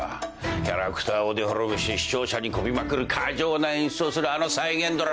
キャラクターをデフォルメし視聴者にこびまくる過剰な演出をするあの再現ドラマに。